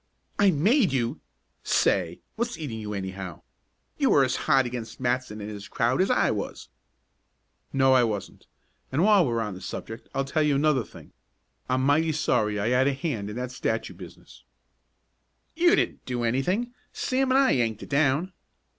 "I made you! Say, what's eating you, anyhow? You were as hot against Matson and his crowd as I was." "No, I wasn't, and while we're on this subject I'll tell you another thing. I'm mighty sorry I had a hand in that statue business." "You didn't do anything Sam and I yanked it down."